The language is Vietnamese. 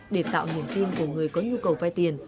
để tạo niềm tin của người có nhu cầu vay tiền